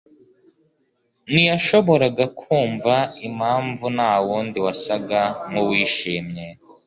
ntiyashoboraga kumva impamvu ntawundi wasaga nkuwishimye.